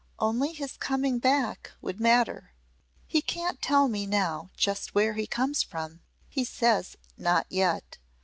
Only his coming back would matter. He can't tell me now just where he comes from. He says 'Not yet.'